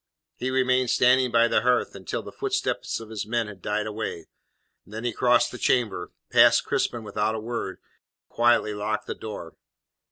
He remained standing by the hearth until the footsteps of his men had died away, then he crossed the chamber, passed Crispin without a word, and quietly locked the door.